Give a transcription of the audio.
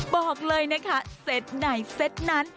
บอกเลยนะคะเซตไหนเซตนั้น